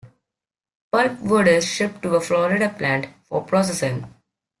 Pulpwood is shipped to a Florida plant for processing.